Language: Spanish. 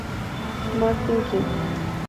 Martin Knight